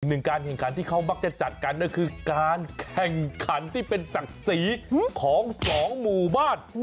การแข่งขันที่เขามักจะจัดกันก็คือการแข่งขันที่เป็นศักดิ์ศรีของสองหมู่บ้าน